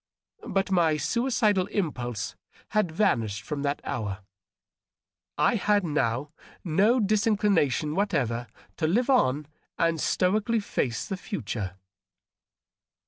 But my suicidal impulse had vanished from that hour. I had now no disinclination whatever to live on and stoically face the ftiture.